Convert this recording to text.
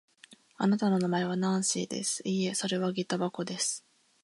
あなたの名前はナンシーです。いいえ、それはげた箱です。